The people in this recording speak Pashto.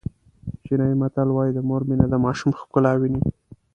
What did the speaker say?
چینایي متل وایي د مور مینه د ماشوم ښکلا ویني.